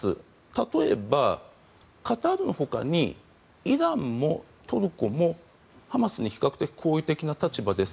例えば、カタールのほかにイランもトルコもハマスに比較的好意的な立場です。